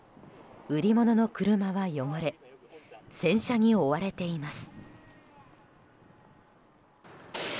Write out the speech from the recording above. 売り物の車は汚れ洗車に追われています。